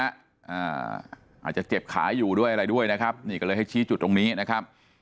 อาจจะเจ็บขาอยู่ด้วยอะไรด้วยนะครับนี่ก็เลยให้ชี้จุดตรงนี้นะครับ